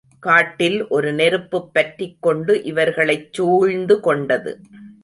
காட்டில் ஒரு நெருப்புப் பற்றிக் கொண்டு இவர்களைச் சூழ்ந்து கொண்டது.